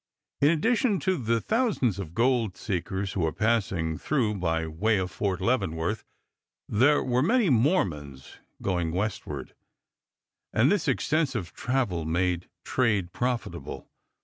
In addition to the thousands of gold seekers who were passing through by way of Fort Leavenworth, there were many Mormons going westward, and this extensive travel made trade profitable.